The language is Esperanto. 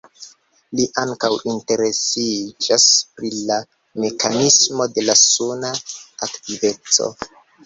Li ankaŭ interesiĝas pri la mekanismoj de la suna aktiveco.